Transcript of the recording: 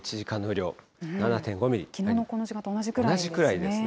きのうのこの時間と同じくら同じくらいですね。